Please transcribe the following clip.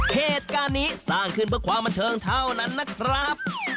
เหตุการณ์นี้สร้างขึ้นเพื่อความบันเทิงเท่านั้นนะครับ